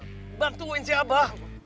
kita harus bantuin si abah